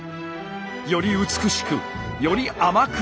より美しくより甘く。